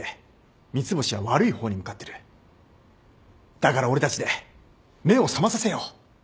だから俺たちで目を覚まさせよう。